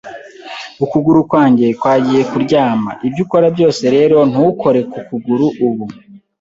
Ukuguru kwanjye kwagiye kuryama, ibyo ukora byose rero, ntukore ku kuguru ubu.